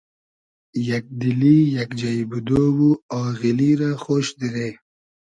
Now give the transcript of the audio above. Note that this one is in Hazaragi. یئگ دیلی ، یئگ جݷ بودۉ و آغیلی رۂ خۉش دیرې